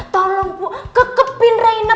tolong bu kekepin reina